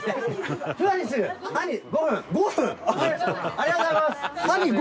ありがとうございます。